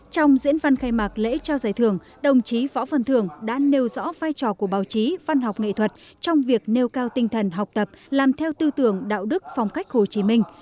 trong diễn văn khai mạc lễ trao giải thưởng đồng chí võ văn thường đã nêu rõ vai trò của báo chí văn học nghệ thuật trong việc nêu cao tinh thần học tập làm theo tư tưởng đạo đức phong cách hồ chí minh